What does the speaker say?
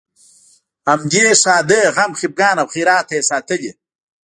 همدې ښادۍ، غم، خپګان او خیرات ته یې ساتلې.